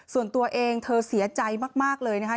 ส่วนตัวเองเธอเสียใจมากเลยนะคะ